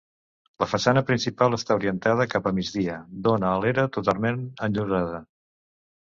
La façana principal està orientada cap a migdia, dóna a l'era, totalment enllosada.